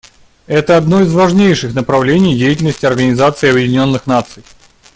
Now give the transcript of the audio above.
Это одно из важнейших направлений деятельности Организации Объединенных Наций.